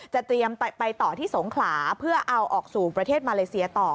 เตรียมไปต่อที่สงขลาเพื่อเอาออกสู่ประเทศมาเลเซียต่อ